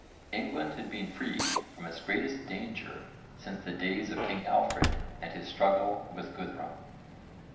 England had been freed from its greatest danger since the days of king Alfred and his struggle with Guthrum.